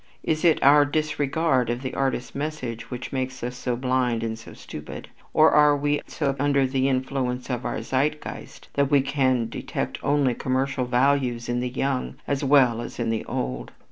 Is it our disregard of the artist's message which makes us so blind and so stupid, or are we so under the influence of our Zeitgeist that we can detect only commercial values in the young as well as in the old?